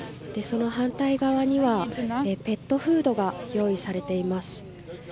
その反対側にはペットフードが用意されています。